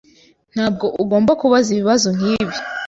Ntabwo ugomba kubaza ibibazo nkibi.